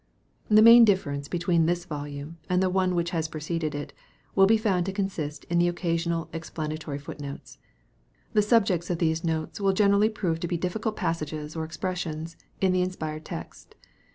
The maui difference between this volume and the one which has preceded it, will be found to consist in the occasional explanatory foot notes. The subjects of these notes will generally prove to be difficult passages or expres sions in the inspired text.